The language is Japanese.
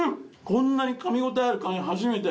こんなにかみ応えあるカニ初めて。